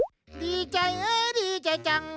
ดีใจจัง